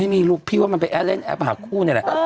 ไม่มีลูกพี่ว่ามันไปแอร์เล่นแอปหาคู่นี่แหละ